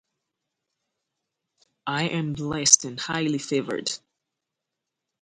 I am blessed and highly favored.